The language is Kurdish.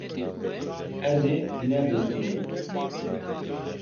Ez ê nebizdînim.